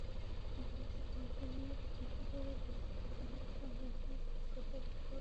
আম্পায়ারদের ভূমিকা নিয়ে প্রশ্ন তুলে দেশি-বিদেশি সংবাদমাধ্যমে ক্ষোভ প্রকাশ করেন মুস্তফা কামালও।